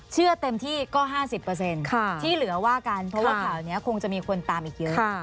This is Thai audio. เชื่อเต็มที่ก็๕๐ที่เหลือว่ากันเพราะว่าข่าวนี้คงจะมีคนตามอีกเยอะ